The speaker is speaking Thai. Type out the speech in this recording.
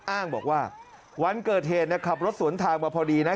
อ้างบอกว่าวันเกิดเหตุขับรถสวนทางมาพอดีนะ